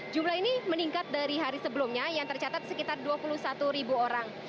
jumlah ini meningkat dari hari sebelumnya yang tercatat sekitar dua puluh satu ribu orang